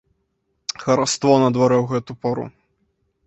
Хараство на дварэ ў гэту пару.